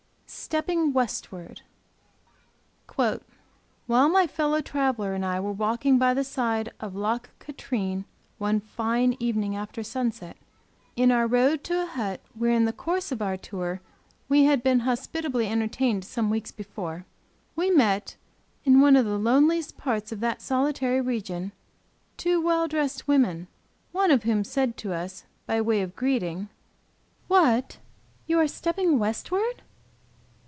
STEPPING WESTWARD. WHILE my fellow traveler and I were walking by the side of Loch Katrine one fine evening after sunset in our road to a hut where in the course of our tour we had been hospitably entertained some weeks before, we met, in one of the loneliest parts of that solitary region two well dressed women, one of whom said to us by way of greeting, "What, you are stepping westward?"